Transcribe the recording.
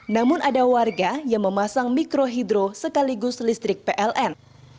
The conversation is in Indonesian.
namun ada warga yang memasang mikrohidro sekaligus listrik pln